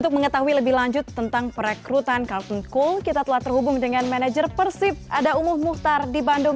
untuk mengetahui lebih lanjut tentang perekrutan carlton cool kita telah terhubung dengan manajer persib ada umuh muhtar di bandung